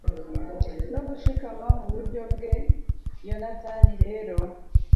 no gushikama mu buryo bwe. yonatani rero